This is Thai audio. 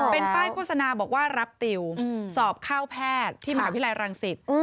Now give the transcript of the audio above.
เป็นป้ายโฆษณาบอกว่ารับติวสอบเข้าแพทย์ที่มหาวิทยาลัยรังสิต